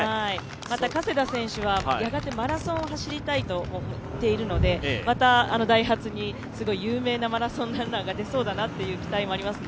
加世田選手は、やがてマラソンを走りたいと言っているのでまたダイハツに有名なマラソンランナーが出そうだなという期待がありますね。